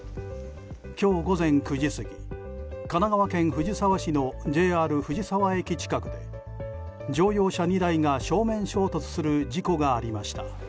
今日午前９時過ぎ神奈川県藤沢市のＪＲ藤沢駅近くで乗用車２台が正面衝突する事故がありました。